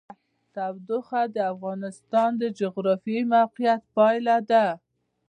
تودوخه د افغانستان د جغرافیایي موقیعت پایله ده.